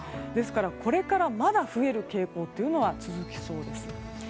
ですから、これからまだ増える傾向が続きそうです。